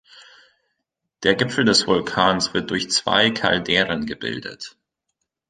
Der Gipfel des Vulkans wird durch zwei Calderen gebildet.